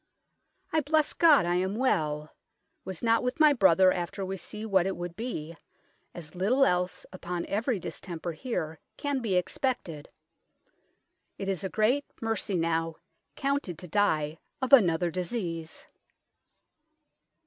I blesse God I am well, was not with my brother after we see what it would bee, as little else upon every distemper here can be expected : it is a greate mercy now counted to dye of another disease."